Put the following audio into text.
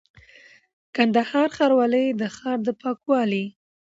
:کندهار ښاروالي د ښار د پاکوالي،